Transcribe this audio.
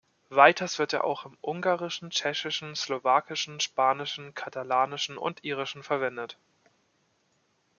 Weiters wird er auch im Ungarischen, Tschechischen, Slowakischen, Spanischen, Katalanischen und Irischen verwendet.